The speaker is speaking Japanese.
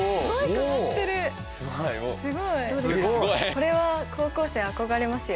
これは高校生憧れますよ。